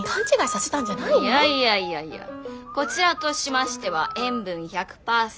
いやいやこちらとしましては塩分１００％